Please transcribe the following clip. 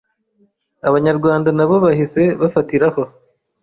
Abanyarwanda nabo bahise bafatiraho